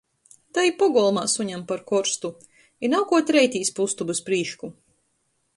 Da i pogolmā suņam par korstu. I nav kuo treitīs pa ustobys prīšku.